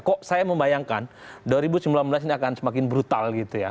kok saya membayangkan dua ribu sembilan belas ini akan semakin brutal gitu ya